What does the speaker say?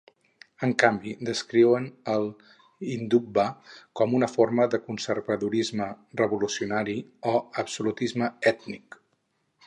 En canvi descriuen el Hindutva com una forma de "conservadorisme revolucionari" o "absolutisme ètnic".